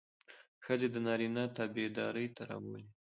ښځې د نارينه تابعدارۍ ته رابولي.